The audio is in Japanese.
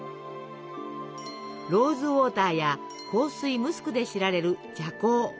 ローズウォーターや香水ムスクで知られるじゃ香。